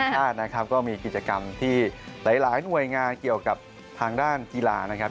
ชาตินะครับก็มีกิจกรรมที่หลายหน่วยงานเกี่ยวกับทางด้านกีฬานะครับ